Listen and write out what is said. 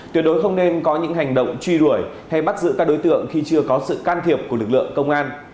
tuyệt đối không nên có những hành động truy đuổi hay bắt giữ các đối tượng khi chưa có sự can thiệp của lực lượng công an